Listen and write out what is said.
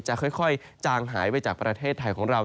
จะค่อยจางหายไปจากประเทศไทยของเรา